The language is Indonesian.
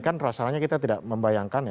kan rasanya kita tidak membayangkan ya